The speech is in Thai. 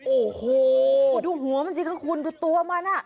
โอ้โฮดูหัวมันสิครับคุณดูตัวมันน่ะ